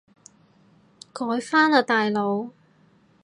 改返喇大佬